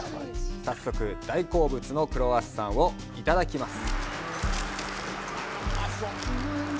早速、大好物のクロワッサンをいただきます。